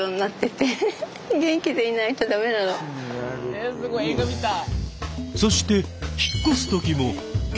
えすごい映画みたい！